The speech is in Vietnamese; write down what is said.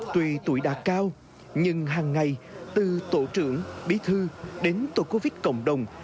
tuy tuổi đã cao nhưng hằng ngày từ tổ trưởng bí thư đến tổ covid cộng đồng